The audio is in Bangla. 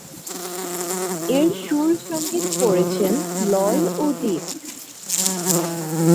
এর সুর-সংগীত করেছেন লয় ও দীপ।